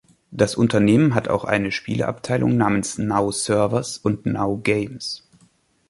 Das Unternehmen hat auch eine Spieleabteilung namens „Now Servers“ und „Now Games“.